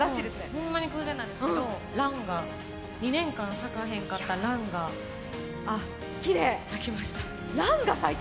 ホンマに偶然なんですけどランが、２年間咲かへんかったランが咲きました。